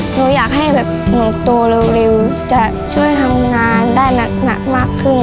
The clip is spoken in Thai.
หนูอยากให้แบบหนูโตเร็วจะช่วยทำงานได้หนักมากขึ้น